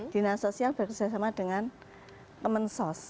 dina sosial bekerja sama dengan kemensos